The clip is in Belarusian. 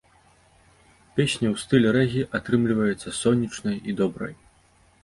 Песня ў стылі рэгі, атрымліваецца сонечнай і добрай.